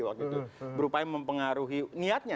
waktu itu berupaya mempengaruhi niatnya